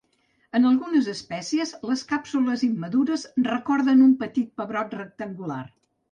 En algunes espècies les càpsules immadures recorden un petit pebrot rectangular.